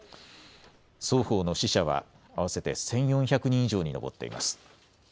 双方の死者は合わせて１４００人以上に上っています。